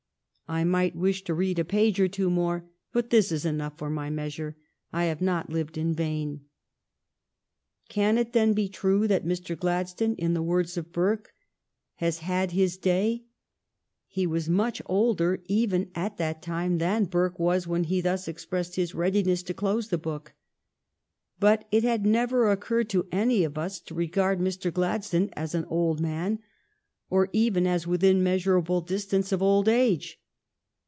I might wish to read a page or two more, but this is enough for my measure — I have not lived in vain." Can it, then, be true that Mr. Gladstone, in the words of Burke, has had his day.f^ He w^as much older even at that time than Burke was when he thus expressed his readi ness to close the book. But it had never occurred to any of us to regard Mr. Gladstone as an old man, or even as within measurable distance of old age.